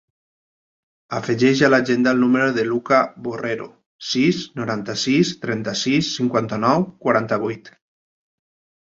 Afegeix a l'agenda el número del Lucca Borrero: sis, noranta-sis, trenta-sis, cinquanta-nou, quaranta-vuit.